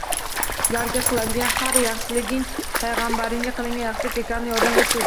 Ularga qiladigan xar yaxshiliging, Payg'ambaringga qilingan yaxshilik ekanini yodingda tut.